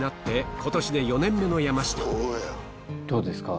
どうですか？